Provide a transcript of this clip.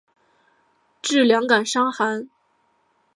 治两感伤寒。